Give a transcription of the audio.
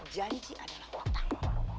janji adalah hutang